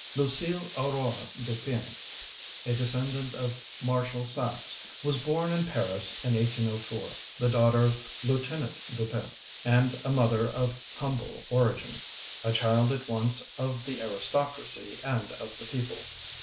LUCILE AURORE DUPIN, a descendant of Marshal Saxe, was born in Paris in 1804, the daughter of Lieutenant Dupin and a mother of humble origin a child at once of the aristocracy and of the people.